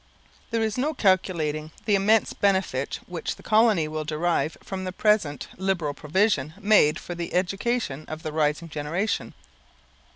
S.M. There is no calculating the immense benefit which the will colony will derive from the present liberal provision made for the education of the rising generation.